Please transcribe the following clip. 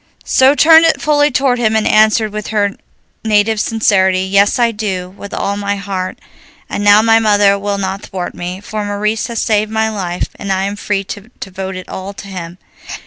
She turned it fully toward him and answered, with her native sincerity, "Yes, I do, with all my heart, and now my mother will not thwart me, for Maurice has saved my life, and I am free to devote it all to him."